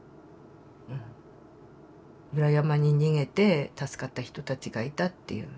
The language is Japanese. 裏山に逃げて助かった人たちがいたっていう。